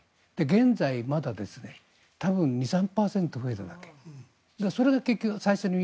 現在、まだ多分２３％増えただけ。